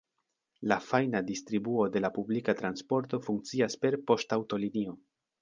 La fajna distribuo de la publika transporto funkcias per poŝtaŭtolinio.